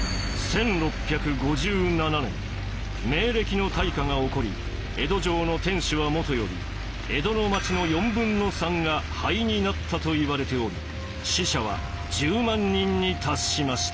そしてが起こり江戸城の天守はもとより江戸のまちの４分の３が灰になったといわれており死者は１０万人に達しました。